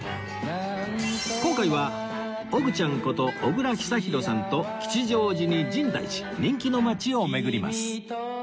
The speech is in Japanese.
今回はおぐちゃんこと小倉久寛さんと吉祥寺に深大寺人気の街を巡ります